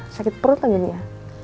sakit perut lagi dia